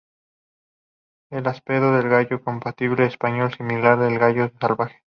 El aspecto del gallo combatiente español es similar al del gallo salvaje.